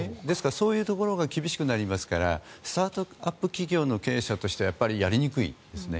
そういうところが厳しくなりますからスタートアップ企業の経営者としてはやっぱりやりにくいですね。